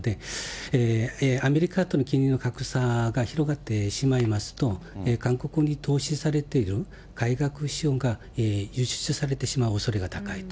アメリカとの金利の格差が広がってしまいますと、韓国に投資されている外国資本が輸出されてしまうおそれが高いと。